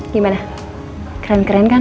gimana keren keren kan